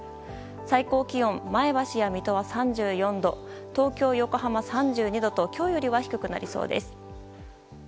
最高気温、前橋や水戸は３４度東京、横浜は３２度と今日よりは低くなりそうです。